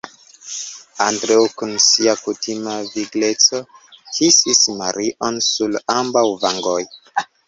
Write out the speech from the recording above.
Andreo, kun sia kutima vigleco kisis Marion sur ambaŭ vangoj.